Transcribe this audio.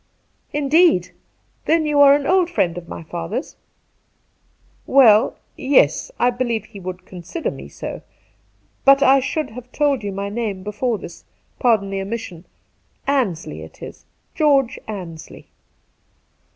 ' Indeed ! Then you are an old friend of my father's ?'' Well, yes, I believe he would consider me so. But I should have told you my name before this. Pardon the omission. Ansley it is ^ George Ansley.'